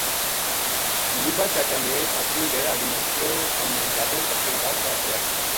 یوبا چاچا نے اپنی ڈیرا ہالی نا کہیو ہم نے جاتک بکریاں دا چلا چھُڑیا